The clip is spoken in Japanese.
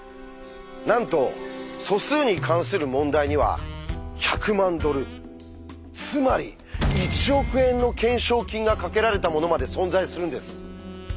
なんと素数に関する問題には１００万ドルつまり１億円の懸賞金がかけられたものまで存在するんです。